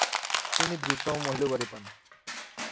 তিনি দ্রুততম মহিলা উপাধি পান।